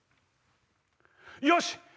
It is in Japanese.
よし！